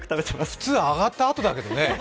普通、上がったあとだけどね。